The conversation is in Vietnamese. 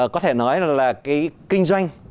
có thể nói là cái kinh doanh